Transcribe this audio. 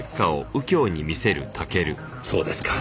そうですか。